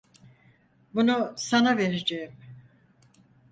Bunu sana vereceğim.